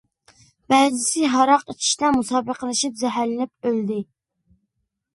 بەزىسى ھاراق ئىچىشتە مۇسابىقىلىشىپ، زەھەرلىنىپ ئۆلدى.